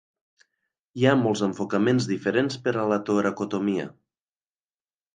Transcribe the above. Hi ha molts enfocaments diferents per a la toracotomia.